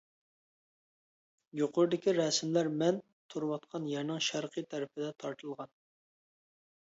يۇقىرىدىكى رەسىملەر مەن تۇرۇۋاتقان يەرنىڭ شەرقى تەرىپىدە تارتىلغان.